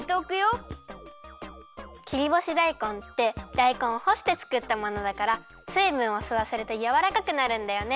切りぼしだいこんってだいこんをほしてつくったものだからすいぶんをすわせるとやわらかくなるんだよね。